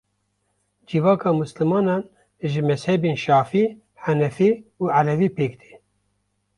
Civaka misilmanan ji mezhebên şafiî, henefî û elewî pêk tê.